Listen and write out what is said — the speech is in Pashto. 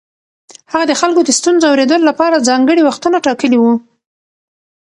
هغه د خلکو د ستونزو اورېدو لپاره ځانګړي وختونه ټاکلي وو.